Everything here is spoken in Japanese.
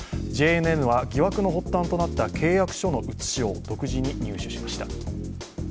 ＪＮＮは疑惑の発端となった契約書の写しを独自に入手しました。